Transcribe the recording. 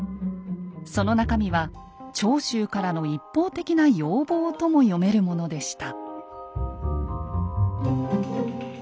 その中身は長州からの一方的な要望とも読めるものでした。